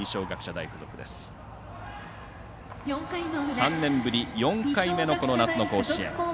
３年ぶり４回目のこの夏の甲子園。